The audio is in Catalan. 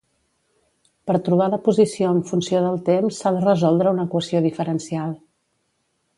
Per trobar la posició en funció del temps s'ha de resoldre una equació diferencial.